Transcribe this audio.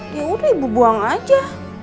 ya udah ibu buang aja